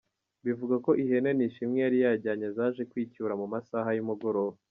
Bivugwa ko ihene Nishimwe yari yajyanye zaje kwicyura mu masaha y’umugoroba.